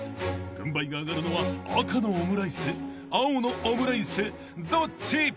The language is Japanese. ［軍配が上がるのは赤のオムライス青のオムライスどっち？］